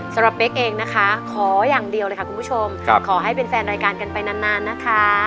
เป๊กเองนะคะขออย่างเดียวเลยค่ะคุณผู้ชมขอให้เป็นแฟนรายการกันไปนานนะคะ